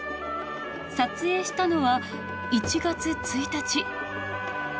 撮影したのは１月１日。